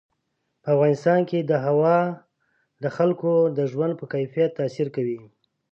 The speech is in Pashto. په افغانستان کې هوا د خلکو د ژوند په کیفیت تاثیر کوي.